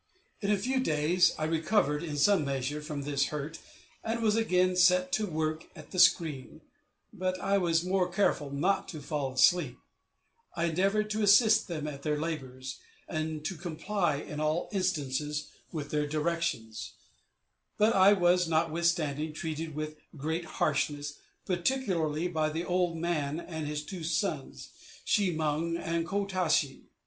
In a few days I recovered in some measure from this hurt, and was again set to work at the screen, but I was more careful not to fall asleep; I endeavored to assist them at their labors, and to comply in all instances with their directions, but I was notwithstanding treated with great harshness, particularly by the old man and his two sons She mung and Kwo tash e.